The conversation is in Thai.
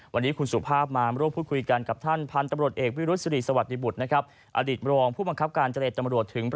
วันนี้คุณสุภาพมาร่วมพูดคุยกันกับท่านพันธุ์ตำรวจเอกวิรุษศิริสวัสดิบุตรนะครับ